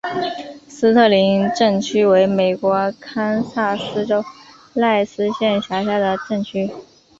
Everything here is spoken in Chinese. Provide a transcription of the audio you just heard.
斯特宁镇区为美国堪萨斯州赖斯县辖下的镇区。